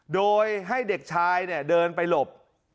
โดยให้เด็กชายเดินไปหลบ